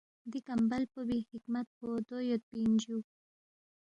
دی کمبل پو بی حکمت پو دو یودپی اِن جُو